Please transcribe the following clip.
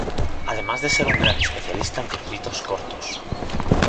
Además de ser un gran especialista en circuitos cortos.